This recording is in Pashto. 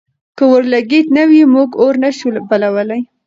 که اورلګیت نه وي، موږ اور نه شو بلولی.